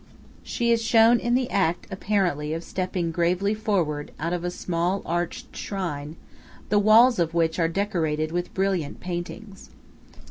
She is shown in the act apparently of stepping gravely forward out of a small arched shrine, the walls of which are decorated with brilliant paintings.